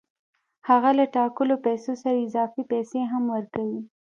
هغه له ټاکلو پیسو سره اضافي پیسې هم ورکوي